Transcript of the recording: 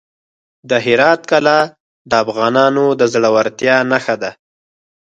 د هرات کلا د افغانانو د زړورتیا نښه ده.